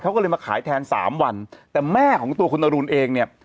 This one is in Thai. เขาก็เลยมาขายแทนสามวันแต่แม่ของตัวคุณอรุณเองเนี่ย